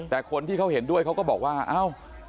แต่คนที่เขาเห็นด้วยเขาก็บอกว่าเอ้า